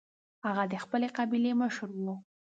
هغه د خپلې قبیلې مشر و.